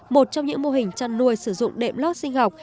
một trong những mô hình chăn nuôi sử dụng đệm lót sinh học